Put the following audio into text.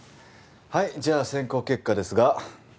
はいじゃあ選考結果ですが。